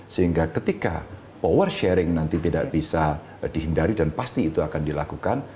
sehingga ketika power sharing nanti tidak bisa dihindari dan pasti itu akan dilakukan